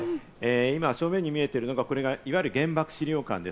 正面に見えているのが、いわゆる原爆資料館です。